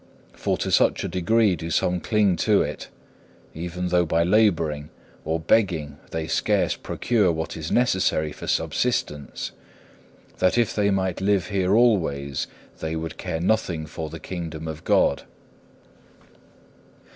For to such a degree do some cling to it (even though by labouring or begging they scarce procure what is necessary for subsistence) that if they might live here always, they would care nothing for the Kingdom of God.